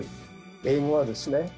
英語はですね